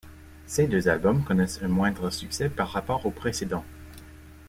Ces deux albums connaissent un moindre succès par rapport aux précédents.